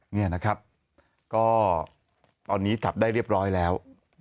นี่นะครับก็ตอนนี้จับได้เรียบร้อยแล้ว